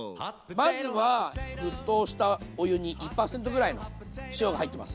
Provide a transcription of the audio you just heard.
まずは沸騰したお湯に１％ぐらいの塩が入ってます。